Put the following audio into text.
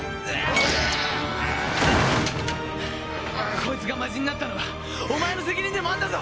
こいつが魔人になったのはお前の責任でもあるんだぞ！